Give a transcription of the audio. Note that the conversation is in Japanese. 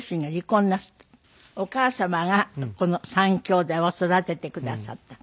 お母様がこの３兄弟を育ててくださった。